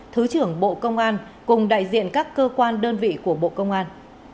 thứ trưởng bộ công an cùng đại diện các cơ quan đơn vị của bộ công an